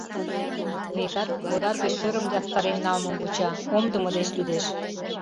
Векат, водар гыч шӧрым ястарен налмым вуча, омдымо деч лӱдеш.